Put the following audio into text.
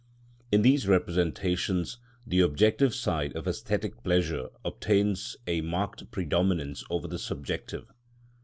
In these representations the objective side of æsthetic pleasure obtains a marked predominance over the subjective.